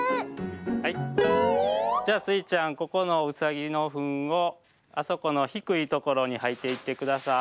じゃあスイちゃんここのうさぎのふんをあそこのひくいところにはいていってください。